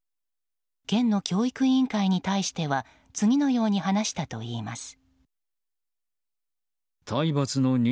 県の教育委員会に対しては次のように話したといいます。